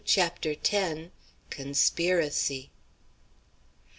CHAPTER X. CONSPIRACY.